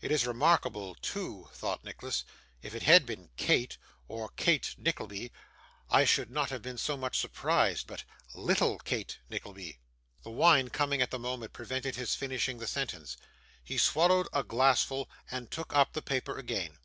'It is remarkable too,' thought Nicholas: 'if it had been "Kate" or "Kate Nickleby," I should not have been so much surprised: but "little Kate Nickleby!"' The wine coming at the moment prevented his finishing the sentence. He swallowed a glassful and took up the paper again.